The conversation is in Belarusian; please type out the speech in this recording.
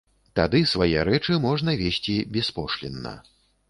Тады свае рэчы можна везці беспошлінна.